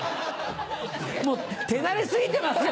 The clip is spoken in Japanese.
手慣れ過ぎてますよ！